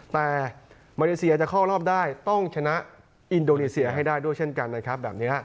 แต่มาเลเซียจะเข้ารอบได้ต้องชนะอินโดนีเซียให้ได้ด้วยเช่นกันนะครับแบบนี้